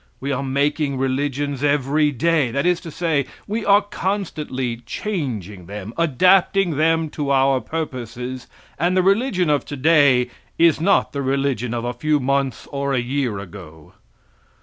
We are making religions every day; that is to say, we are constantly changing them, adapting them to our purposes, and the religion of today is not the religion of a few months or a year ago.